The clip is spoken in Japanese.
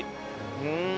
うん！